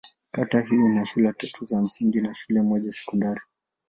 Kata hii ina shule tatu za msingi na shule moja ya sekondari.